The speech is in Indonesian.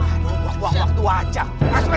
aduh gue buang waktu aja